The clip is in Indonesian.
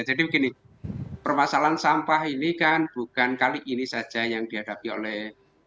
jadi begini permasalahan sampah ini kan bukan kali ini saja yang dihadapi oleh